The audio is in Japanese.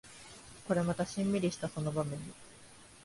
これまたシンミリしたその場面に